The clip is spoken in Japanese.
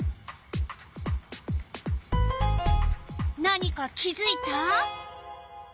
何か気づいた？